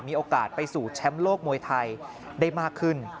มีโอกาสไปสู่แชมป์โลกมวยไทยได้มากขึ้น